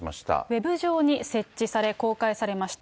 ウェブ上に設置され、公開されました。